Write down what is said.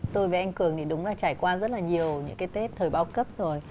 tôi với anh cường thì đúng là trải qua rất là nhiều những cái tết thời bao cấp rồi